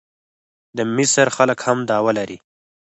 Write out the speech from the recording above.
د مصر خلک هم دعوه لري.